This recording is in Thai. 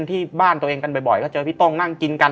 ที่บ้านตัวเองกันบ่อยก็เจอพี่ต้งนั่งกินกัน